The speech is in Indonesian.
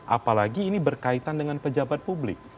apalagi ini berkaitan dengan pejabat publik